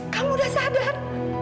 kamu udah sadar